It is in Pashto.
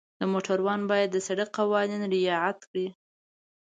د موټروان باید د سړک قوانین رعایت کړي.